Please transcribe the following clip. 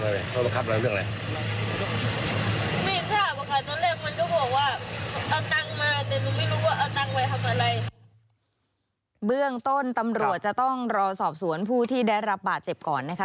อ๋อแล้วต้องเลือกอะไรต้องเอาเมืองต้นตำรวจจะต้องรอสอบสวนผู้ที่ได้รับบาทเจ็บก่อนนะคะ